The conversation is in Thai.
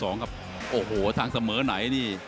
ที่สุดโอ้โหทางเสมอไหนนี่